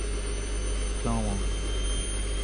Klañv on.